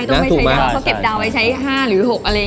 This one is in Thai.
ต้องไม่ใช้ดาวเพราะเก็บดาวไว้ใช้๕หรือ๖อะไรอย่างนี้